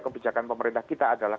kebijakan pemerintah kita adalah